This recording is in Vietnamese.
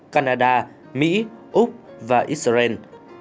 canada mỹ úc và israel